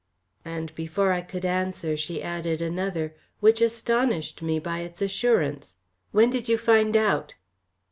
and before I could answer, she added another, which astonished me by its assurance. "When did you find out?"